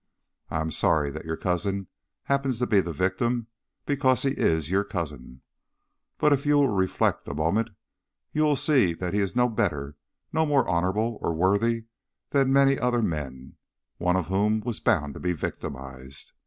I am sorry that your cousin happens to be the victim, because he is your cousin. But if you will reflect a moment you will see that he is no better, no more honourable or worthy than many other men, one of whom was bound to be victimized.